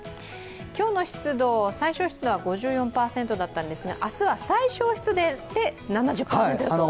今日の最小湿度は５４％だったんですが、明日は最小湿度で７０％予想。